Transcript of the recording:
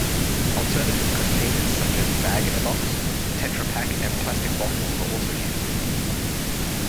Alternative containers such as Bag-in-Box, TetraPak and plastic bottles are also used.